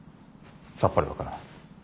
さっぱり分からない。